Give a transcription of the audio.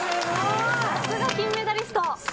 さすが金メダリスト！